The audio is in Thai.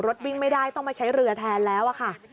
วิ่งไม่ได้ต้องมาใช้เรือแทนแล้วอะค่ะ